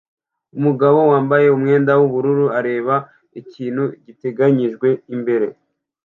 Umugabo wambaye umwenda wubururu areba ikintu giteganijwe imbere ye